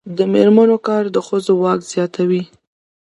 د میرمنو کار د ښځو واک زیاتوي.